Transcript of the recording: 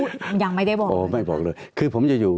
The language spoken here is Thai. ตั้งแต่เริ่มมีเรื่องแล้ว